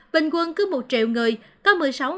bình quân cứ một triệu người có một mươi sáu năm trăm chín mươi